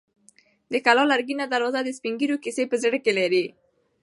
د کلا لرګینه دروازه د سپین ږیرو کیسې په زړه کې لري.